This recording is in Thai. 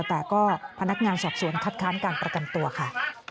แต่ก็พนักงานสอบสวนคัดค้านการประกันตัวค่ะ